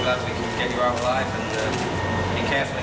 เราขอบคุณมากว่าเราจะได้ให้พวกเจสันออกไป